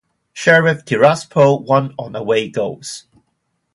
Sheriff Tiraspol won on away goals.